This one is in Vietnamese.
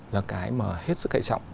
là cái mà hết sức hệ trọng